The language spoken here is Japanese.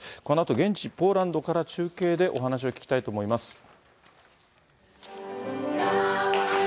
このあと、現地ポーランドから、中継でお話を聞きたいと思います。